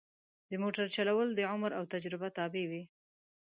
د موټر چلول د عمر او تجربه تابع وي.